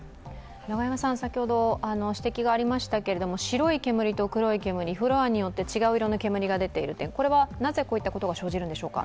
先ほど指摘がありましたけれども、白い煙と黒い煙、フロアによって違う色の煙が出ている点、なぜこういったことが生じるのでしょうか？